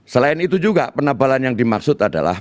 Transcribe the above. selain itu juga penebalan yang dimaksud adalah